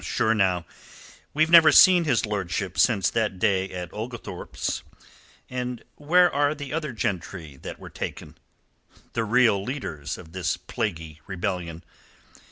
"Sure, now, we've never seen his lordship since that day at Oglethorpe's. And where are the other gentry that were taken? the real leaders of this plaguey rebellion.